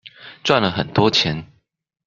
賺了很多錢